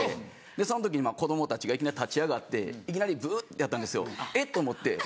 その時に子供たちがいきなり立ち上がっていきなりブッてやったんですよえっ？と思って。